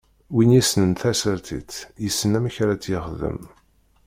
Win yessnen tasertit, yessen amek ara tt-yexdem.